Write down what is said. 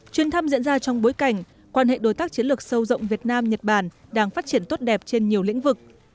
chuyến thăm diễn ra trong bối cảnh quan hệ đối tác chiến lược sâu rộng việt nam nhật bản đang phát triển tốt đẹp trên nhiều lĩnh vực